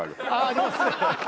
ありますね。